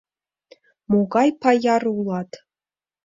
— Могай паяр улат.